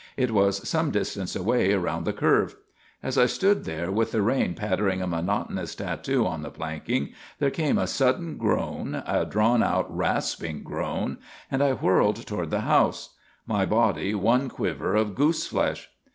It was some distance away around the curve. As I stood there, with the rain pattering a monotonous tattoo on the planking, there came a sudden groan, a drawn out, rasping groan, and I whirled toward the house; my body one quiver of gooseflesh.